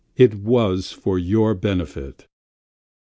. it was for your benefit."